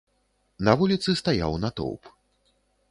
На вуліцы стаяў натоўп.